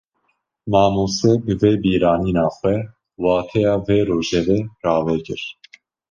Mamoste, bi vê bîranîna xwe, wateya vê rojevê rave kir